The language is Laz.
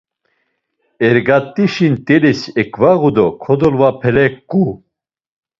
Ergat̆işi ntelis eǩvağu do kodolvapeleǩu.